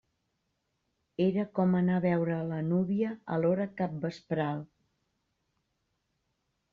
Era com anar a veure la núvia a l'hora capvespral.